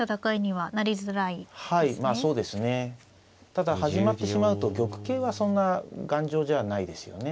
ただ始まってしまうと玉形はそんな頑丈じゃないですよね。